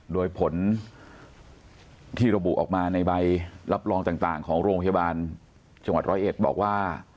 โดยผลที่ระบุออกมาในใบรับรองต่างของโรงพยาบาลจังหวัดร้อยเอ็ดบอกว่า